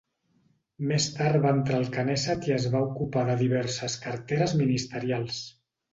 Més tard va entrar al Kenésset i es va ocupar de diverses carteres ministerials.